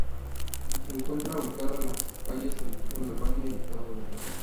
Se encuentra ubicado en las calles "Aristóbulo del Valle" y "Estado de Israel".